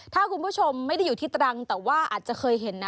ถ้าคุณผู้ชมไม่ได้อยู่ที่ตรังแต่ว่าอาจจะเคยเห็นนะ